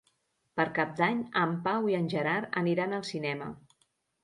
Per Cap d'Any en Pau i en Gerard aniran al cinema.